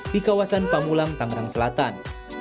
di kawasan pamulang tangerang selatan